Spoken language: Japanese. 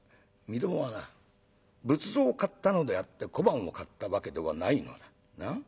みどもはな仏像を買ったのであって小判を買ったわけではないのだ。なあ？